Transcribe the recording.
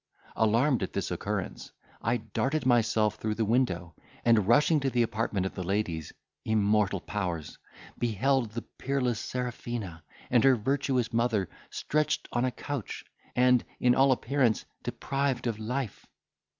Alarmed at this occurrence, I darted myself through the window, and rushing to the apartment of the ladies, (immortal powers!) beheld the peerless Serafina, and her virtuous mother, stretched on a couch, and, in all appearance, deprived of life.